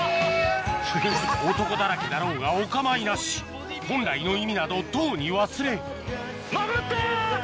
男だらけだろうがお構いなし本来の意味などとうに忘れのこった！